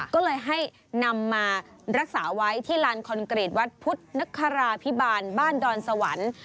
ก็เลยให้นำมารักษาไว้ที่ลานคอนกรีตวัดพุทธนคราพิบาลบ้านดอนสวรรค์